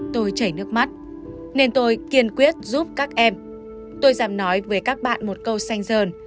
tôi chảy nước mắt nên tôi kiên quyết giúp các em tôi dám nói với các bạn một câu sanh giờn